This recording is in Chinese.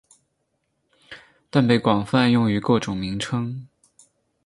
但被广泛用于各种名称。